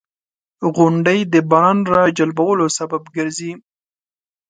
• غونډۍ د باران راجلبولو سبب ګرځي.